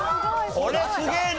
こりゃすげえな。